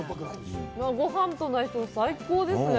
ごはんとの相性、最高ですね！